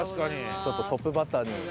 ちょっとトップバッターに。